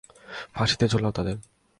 ফাঁসিতে ঝুলাও তাদের।